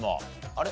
あれ？